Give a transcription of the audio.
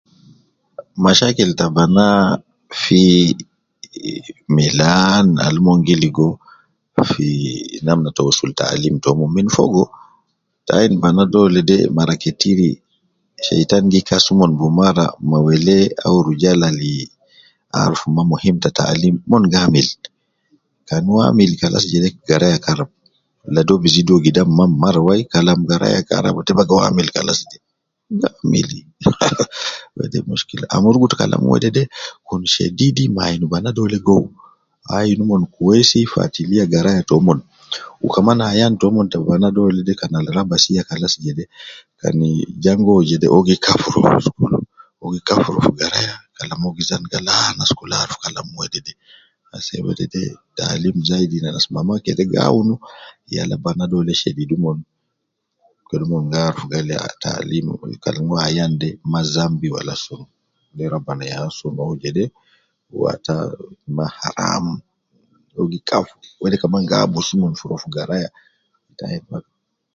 Mashakil ta banaa fii ehMilan Al mon gi ligo fi namna ta wosul fi taalim taumon. Min Fogo tainu bana dolde mara ketir sheitan gi kas umon ma bimara ma wele au rujal Al arufu maa muhimu ta taalim ladi mon gi amili kan uwo amili kalas jede garaya karab ladi bi zidu maa mara wai fi garaya. Baga uwo amili kalas de eh eh amurugu too kin shedolid ma yal dolde. Ayan toumon de kakan gaabusu umon min garaya